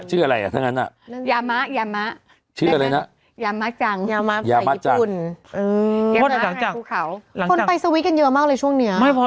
หลังจากคนไปสวิสกันเยอะมากเลยช่วงเนี้ย